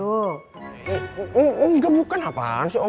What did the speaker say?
oh enggak bukan apaan sih